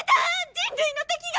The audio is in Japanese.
人類の敵が！